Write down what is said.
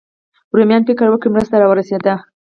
رومیان فکر وکړي مرسته راورسېده.